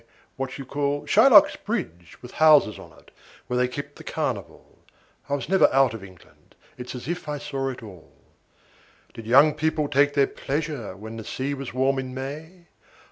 what you call ... Shylock's bridge° with houses on it, where they kept the carnival: °8 I was never out of England it's as if I saw it all. Did young people take their pleasure when the sea was warm in May?